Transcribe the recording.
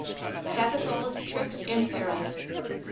CAPITOLA'S TRICKS AND PERILS.